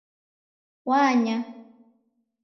Wanya